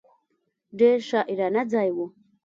ډېر شاعرانه ځای و.